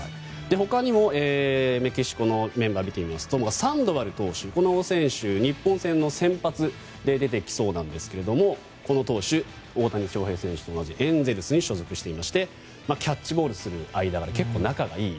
他にもメキシコのメンバーを見てみますと、サンドバル選手この選手日本戦の先発で出てきそうですがこの投手、大谷翔平選手と同じエンゼルスに所属していましてキャッチボールをする間柄。